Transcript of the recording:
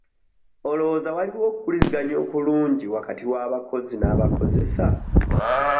Olowooza waliwo okuwuliziganya okulungi wakati w'abakozi n'abakozesa?